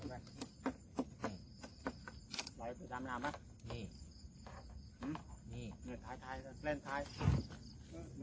ไหลไปตามน้ำน่ะนี่อืมนี่เนื้อท้ายท้ายเล่นท้าย